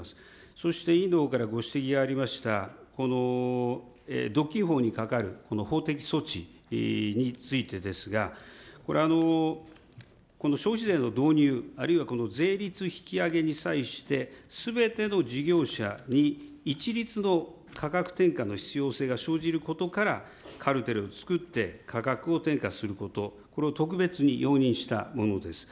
そして委員のほうからご指摘がありました、この独禁法にかかる法的措置についてですが、これ、この消費税の導入、あるいはこの税率引き上げに際して、すべての事業者に一律の価格転嫁の必要性が生じることから、カルテルを作って価格を転嫁すること、これを特別に容認したものです。